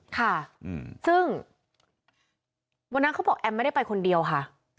ค่ะซึ่งวันนั้นเขาบอกแอมไม่ได้ไปคนเดียวค่ะ